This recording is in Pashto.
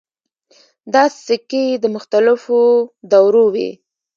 دا سکې د مختلفو دورو وې